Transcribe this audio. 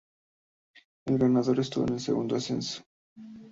El ganador obtuvo el segundo ascenso.